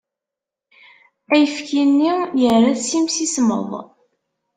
Ayefki-nni yerra-t s imsismeḍ.